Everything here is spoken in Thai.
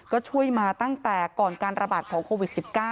ก็ช่วยมาตั้งแต่ก่อนการระบาดของโควิด๑๙